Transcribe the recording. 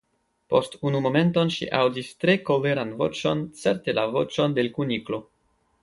Post unu momenton ŝi aŭdis tre koleran voĉon, certe la voĉon de l Kuniklo.